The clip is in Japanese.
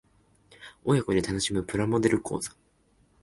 親子で楽しむプラモデル講座